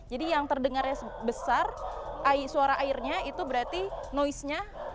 jadi yang terdengarnya besar suara airnya itu berarti noise nya